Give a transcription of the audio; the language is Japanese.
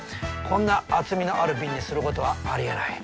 こんな厚みのある瓶にすることはありえない。